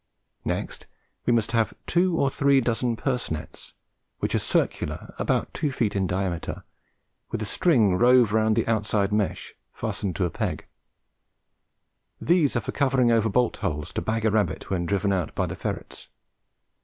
Next, we must have two or three dozen purse nets, which are circular, about two feet in diameter, with a string rove round the outside mesh fastened to a peg. These are for covering over bolt holes to bag a rabbit when driven out by the ferrets.